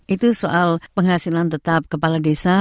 itu soal penghasilan tetap kepala desa